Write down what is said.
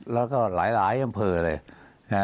แล้วหลายอำเภอเลย